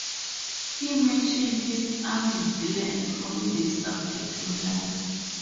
He mentioned his ambivalence on this subject online.